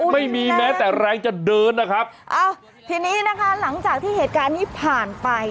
ไม่มีแม้แต่แรงจะเดินนะครับอ้าวทีนี้นะคะหลังจากที่เหตุการณ์นี้ผ่านไป